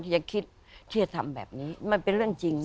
อย่าคิดที่จะทำแบบนี้มันเป็นเรื่องจริงนะ